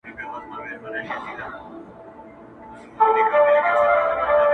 چي د عقل فکر لاس پکښي تړلی؛